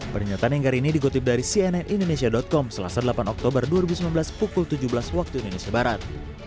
pernyataan enggar ini dikutip dari cnn indonesia com selasa delapan oktober dua ribu sembilan belas pukul tujuh belas waktu indonesia barat